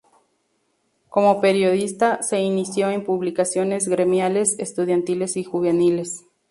Como periodista, se inició en publicaciones gremiales, estudiantiles y juveniles.